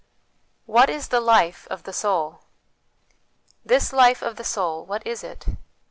What is the Life of the Soul? This life of the soul, what is it?